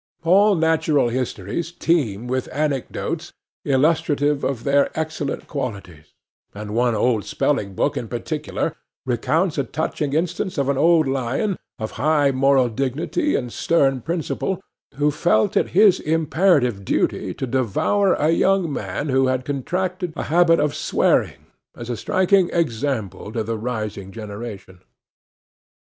All natural histories teem with anecdotes illustrative of their excellent qualities; and one old spelling book in particular recounts a touching instance of an old lion, of high moral dignity and stern principle, who felt it his imperative duty to devour a young man who had contracted a habit of swearing, as a striking example to the rising generation.